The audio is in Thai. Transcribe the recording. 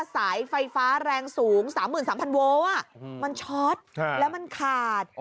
สายไฟฟ้าแรงสูง๓๓๐๐โวลมันช็อตแล้วมันขาด